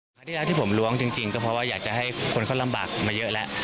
ปัทยาที่ผมรวงจริงเพราะว่าอยากจะให้คนเขาลำบากมาเยอะแล้ว